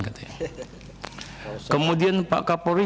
kemudian pak kapolri